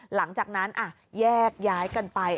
หลังจากนั้นแยกย้ายกันไป